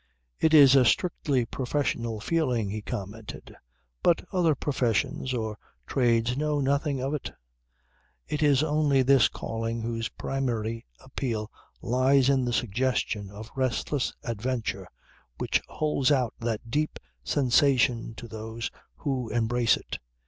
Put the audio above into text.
"It is a strictly professional feeling," he commented. "But other professions or trades know nothing of it. It is only this calling whose primary appeal lies in the suggestion of restless adventure which holds out that deep sensation to those who embrace it.